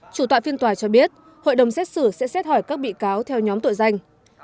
chủ tọa phiên tòa cho biết hội đồng xét xử sẽ xét hỏi các bị cáo theo nhóm tội danh